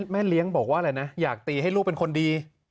แม่เลี้ยงบอกว่าอะไรนะอยากตีให้ลูกเป็นคนดี